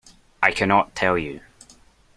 I cannot tell you.